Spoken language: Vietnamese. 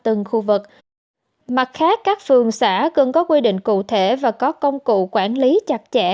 từng khu vực mặt khác các phường xã cần có quy định cụ thể và có công cụ quản lý chặt chẽ